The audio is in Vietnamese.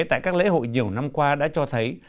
tại các lễ hội nhiều năm qua đã cho thấy